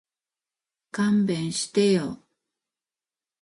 勘弁してよ